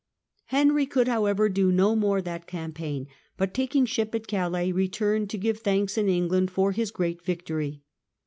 Henry could, however, do no more that campaign, but taking ship at Calais returned to give thanks in England for his great victory.